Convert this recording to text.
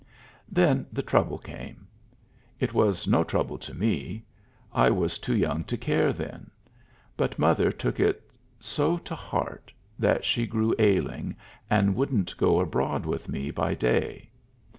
Then the trouble came. It was no trouble to me. I was too young to care then. But mother took it so to heart that she grew ailing, and wouldn't go abroad with me by day.